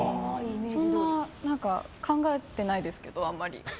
そんな考えてないですけどあんまり。